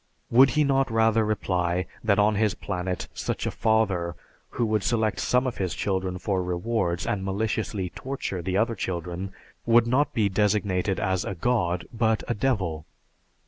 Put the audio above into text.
Would he not rather reply that on his planet such a "Father" who would select some of his children for rewards, and maliciously torture his other children, would not be designated as a God but a Devil?